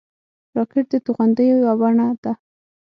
راکټ د توغندیو یوه بڼه ده